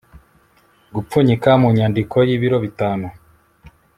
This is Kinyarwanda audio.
gupfunyika mu nyandiko y'ibiro bitanu